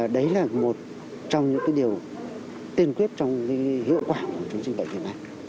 đấy là một trong những điều tiên quyết trong hiệu quả của chương trình bệnh viện này